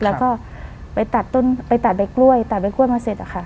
แล้วก็ไปตัดต้นไปตัดใบกล้วยตัดใบกล้วยมาเสร็จอะค่ะ